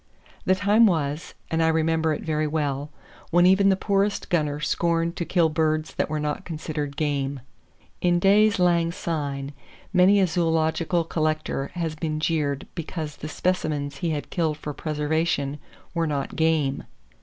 The time was, and I remember it very well, when even the poorest gunner scorned to kill birds that were not considered "game." In days lang syne, many a zoological collector has been jeered because the specimens he had killed for preservation were not "game."